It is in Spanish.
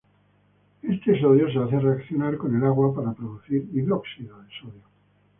Este sodio se hace reaccionar con el agua para producir hidróxido de sodio.